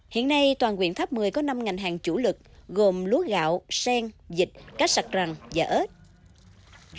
hiện nay toàn quyện tháp mười có năm ngành hàng chủ lực gồm lúa gạo sen dịch cá sạc rằn và ếch